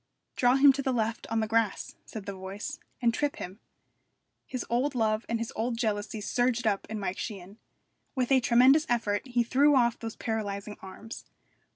'Draw him to the left on the grass,' said the voice, 'and trip him.' His old love and his old jealousy surged up in Mike Sheehan. With a tremendous effort he threw off those paralysing arms.